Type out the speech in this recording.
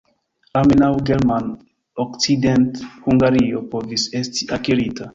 Almenaŭ German-Okcidenthungario povis esti akirita.